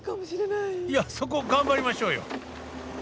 いや、そこは頑張りましょうよ！